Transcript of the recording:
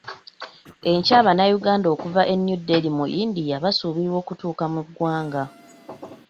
Enkya Abannayuganda okuva e New Dehli mu India basuubirwa okuttuka mu ggwanga.